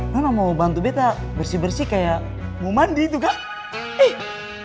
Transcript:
lo namanya mau bantu betta bersih bersih kayak mau mandi tuh kan